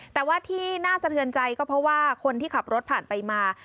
แต่ว่าที่น่าสะเทือนใจก็เพราะว่าคนที่ขับรถผ่านไปมา